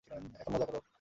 এখন মজা কর।